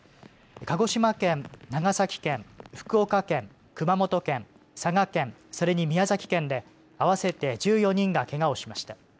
鹿児島県、長崎県、福岡県、熊本県、佐賀県それに宮崎県で合わせて１４人がけがをしました。